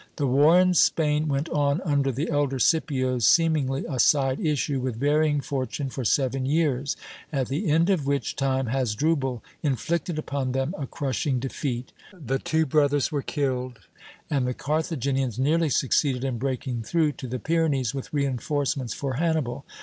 The war in Spain went on under the elder Scipios, seemingly a side issue, with varying fortune for seven years; at the end of which time Hasdrubal inflicted upon them a crushing defeat, the two brothers were killed, and the Carthaginians nearly succeeded in breaking through to the Pyrenees with reinforcements for Hannibal.